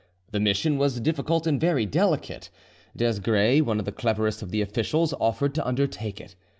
The mission was difficult and very delicate. Desgrais, one of the cleverest of the officials, offered to undertake it.